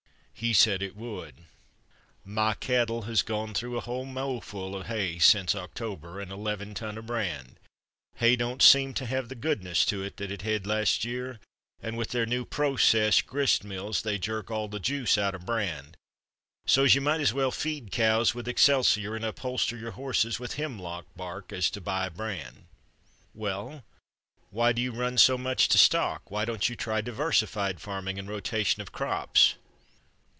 He said it would. "My cattle has gone through a whole mowful o' hay sence October and eleven ton o' brand. Hay don't seem to have the goodness to it thet it hed last year, and with their new pro cess griss mills they jerk all the juice out o' brand, so's you might as well feed cows with excelsior and upholster your horses with hemlock bark as to buy brand." "Well, why do you run so much to stock? Why don't you try diversified farming, and rotation of crops?"